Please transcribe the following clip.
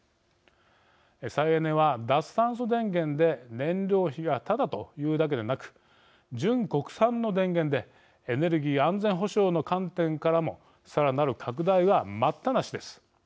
再エネは、脱炭素電源で燃料費がただというだけでなく純国産の電源でエネルギー安全保障の観点からもさらなる拡大は待ったなしです。